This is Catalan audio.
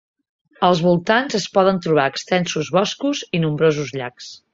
Als voltants es poden trobar extensos boscos i nombrosos llacs.